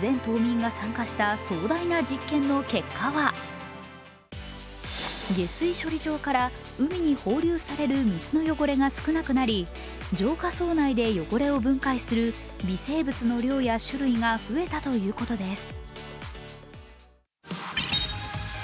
全島民が参加した壮大な実験の結果は下水処理場から海に放流される水の汚れが少なくなり浄化槽内で汚れを分解する微生物の量や種類が増えたということです。